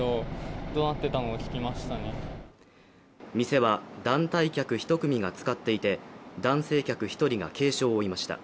店は団体客１組が使っていて男性客１人が軽傷を負いました。